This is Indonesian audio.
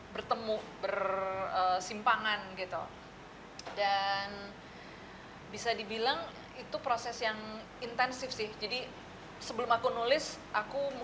bertemu bersimpangan gitu represented to